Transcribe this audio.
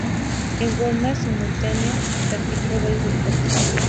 En forma simultánea practicó varios deportes.